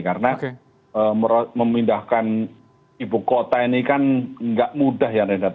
karena memindahkan ibu kota ini kan gak mudah ya renhar